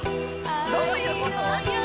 どういうこと？